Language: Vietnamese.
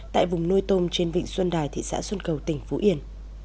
tại vùng nuôi tôm trên vịnh xuân đài thị xã xuân cầu tỉnh phú yên